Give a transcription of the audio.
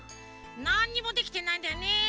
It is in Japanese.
なんにもできてないんだよねフフフ。